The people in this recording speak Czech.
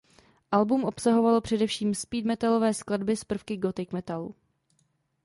Album obsahovalo především speed metalové skladby s prvky gothic metalu.